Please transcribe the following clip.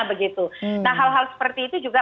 begitu nah hal hal seperti itu juga